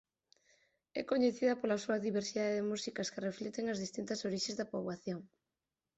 É coñecida pola súa diversidade de músicas que reflicten as distintas orixes da poboación.